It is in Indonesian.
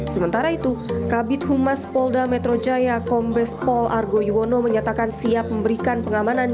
sementara itu kabit humas polda metro jaya kombes pol argo yuwono menyatakan siap memberikan pengamanan